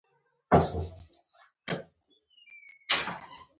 میرانشاه، میرعلي، خدري، ممندخیل او بنو کې.